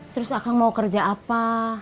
terus akan mau kerja apa